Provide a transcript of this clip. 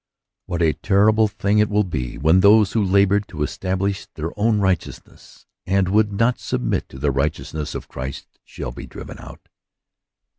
What a terrible thing it will be when those who labored to establish their own right eousness, and w6uld not submit to the righteous ness of Christ, shall be driven out